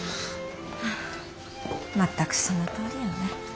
はあ全くそのとおりよね。